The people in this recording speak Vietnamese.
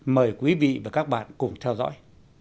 mời quý vị và các bạn cùng theo dõi